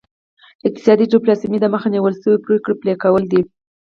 اقتصادي ډیپلوماسي د مخکې نیول شوو پریکړو پلي کول دي